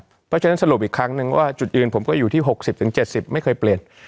เพราะฉะนั้นสรุปอีกครั้งนึงว่าจุดยืนผมก็อยู่ที่๖๐๗๐ไม่เคยเปลี่ยน